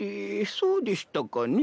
そうでしたかねえ。